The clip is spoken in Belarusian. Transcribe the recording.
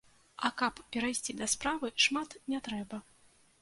А каб перайсці да справы, шмат не трэба.